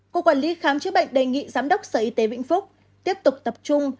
cục quản lý khám chữa bệnh đề nghị giám đốc sở y tế vĩnh phúc tiếp tục tập trung